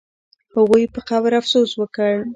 هغوی په قبر افسوس وکړ.